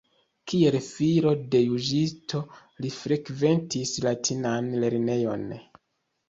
Kiel filo de juĝisto li frekventis latinan lernejon.